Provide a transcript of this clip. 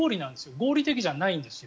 合理的じゃないんですよ。